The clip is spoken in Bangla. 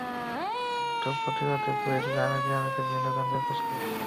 কিন্তু প্রতি রাতেই পুলিশ গ্রামে গ্রামে গিয়ে বিভিন্ন জনকে খোঁজ করছে।